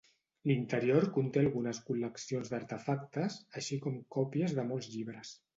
L'interior conté algunes col·leccions d'artefactes, així com còpies de molts llibres.